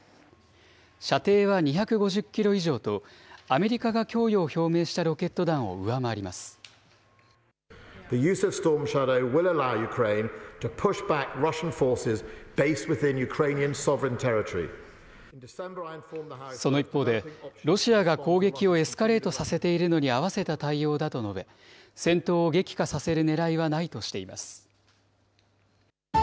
射程は２５０キロ以上と、アメリカが供与を表明したロケット弾を上回その一方で、ロシアが攻撃をエスカレートさせているのに合わせた対応だと述べ、戦闘を激化させるねらいはないとしています。